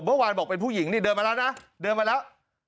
เมื่อวานบอกเป็นผู้หญิงนี่เดินมาแล้วนะเดินมาแล้ว